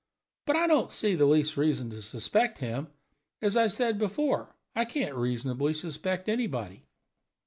But I don't see the least reason to suspect him. As I said before, I can't reasonably suspect anybody."